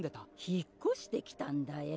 引っ越してきたんだぇ